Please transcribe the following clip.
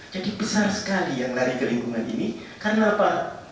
jadi besar sekali yang lari ke lingkungan ini karena apa